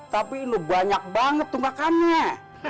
tapi ini banyak banget tunggakannya